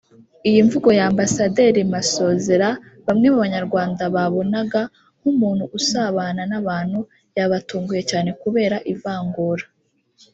Iyi mvugo ya Ambasaderi Masozera bamwe mu banyarwanda babonaga nk’umuntu usabana n’abantu yabatunguye cyane kubera ivangura